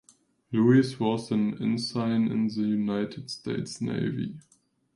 Lewis was an ensign in the United States Navy.